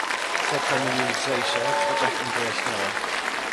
"Serca mieli lżejsze, w oczach im pojaśniało."